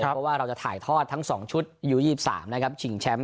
เพราะว่าเราจะถ่ายทอดทั้งสองอยู่ยี่ปร์สามนะครับชิงแชมป์